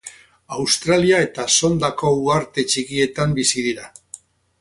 Australia eta Sondako Uharte Txikietan bizi dira.